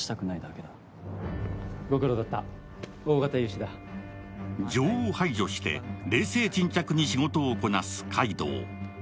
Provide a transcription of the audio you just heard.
しかし情を排除して冷静沈着に仕事をこなす階堂。